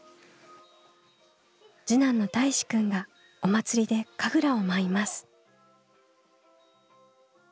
次男のたいしくんがお祭りで神楽を舞います。